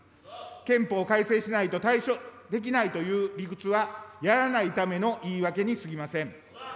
憲法改正しないと対処できないという理屈はやらないための言い訳にすぎません。